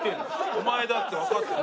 お前だってわかってる。